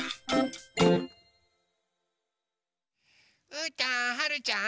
うーたんはるちゃん